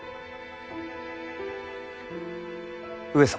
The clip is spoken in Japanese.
上様。